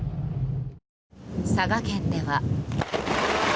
佐賀県では。